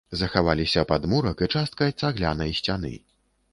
Захаваліся падмурак і частка цаглянай сцяны.